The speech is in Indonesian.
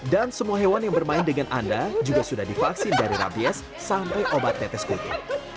dan semua hewan yang bermain dengan anda juga sudah divaksin dari rabies sampai obat tetes kutu